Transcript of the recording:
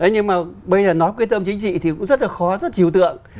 nhưng mà bây giờ nói quyết tâm chính trị thì cũng rất là khó rất chiều tượng